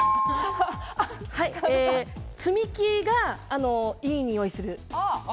積み木がいいにおいする。